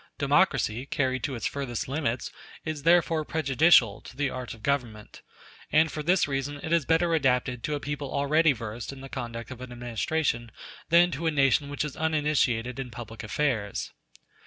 Democracy, carried to its furthest limits, is therefore prejudicial to the art of government; and for this reason it is better adapted to a people already versed in the conduct of an administration than to a nation which is uninitiated in public affairs.